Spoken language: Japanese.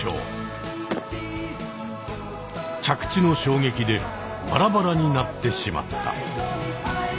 着地の衝撃でバラバラになってしまった。